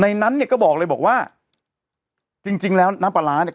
นั้นเนี่ยก็บอกเลยบอกว่าจริงจริงแล้วน้ำปลาร้าเนี่ย